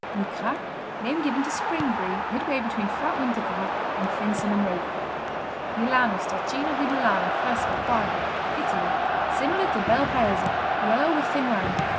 Migras Name given to spring Brie midway between fat winter Gras and thin summer Maigre. Milano, Stracchino di Milano, Fresco, Quardo Italy Similar to Bel Paese. Yellow, with thin rind.